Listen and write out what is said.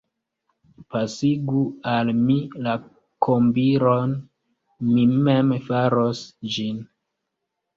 Pasigu al mi la kombilon, mi mem faros ĝin.